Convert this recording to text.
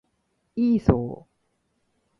イーソー